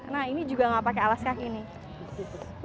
nah ini juga gak pakai alas kaki nih